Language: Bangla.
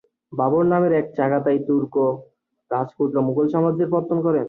বাবর নামের এক চাগাতাই তুর্ক রাজপুত্র মুঘল সাম্রাজ্যের পত্তন করেন।